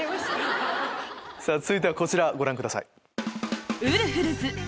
続いてはこちらご覧ください。